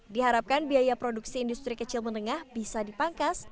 diharapkan biaya produksi industri kecil menengah bisa dipangkas